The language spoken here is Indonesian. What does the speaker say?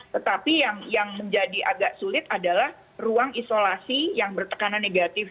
tetapi yang menjadi agak sulit adalah ruang isolasi yang bertekanan negatif